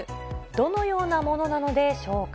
どのようなものなのでしょうか。